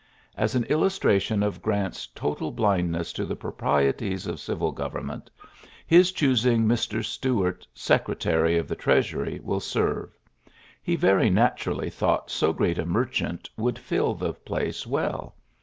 As an illustra of Grant's total blindness to the :*ieties of civil government, his ing Mr. Stewart Secretary of the ury will serve. He very naturally ^ht so great a merchant would fill lace well.